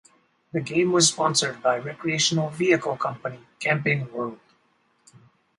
The game was sponsored by recreational vehicle company Camping World.